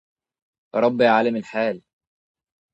يا رب يا عالم الحال